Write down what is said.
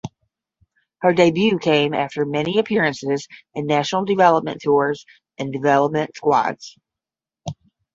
Her debut came after many appearances in national development tours and development squads.